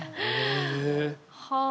はあ！